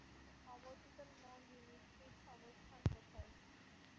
অবচেতন মন জিনিসটির অবস্থান কোথায়?